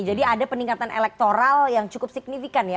jadi ada peningkatan elektoral yang cukup signifikan ya